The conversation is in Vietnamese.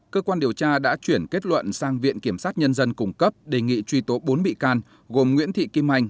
cơ quan điều tra đã chuyển kết luận sang viện kiểm sát nhân dân cung cấp đề nghị truy tố bốn bị can gồm nguyễn thị kim anh